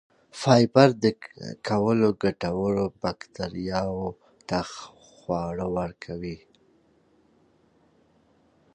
فایبر د کولمو ګټورو بکتریاوو ته خواړه ورکوي.